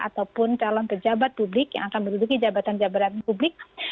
ataupun calon pejabat publik yang akan menduduki jabatan jabatan publik